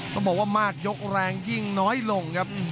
ต้องบอกว่ามากยกแรงยิ่งน้อยลงครับ